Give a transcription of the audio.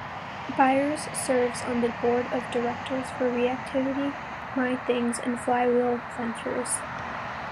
Byers serves on the Board of Directors for Reactivity, MyThings, and Flywheel Ventures.